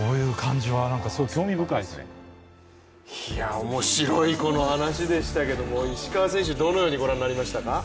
おもしろい、この話でしたけれども石川選手、どのようにご覧になりましたか？